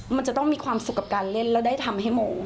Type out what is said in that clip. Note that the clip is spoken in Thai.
มันจะต้องมีความสุขกับการเล่นแล้วได้ทำให้โม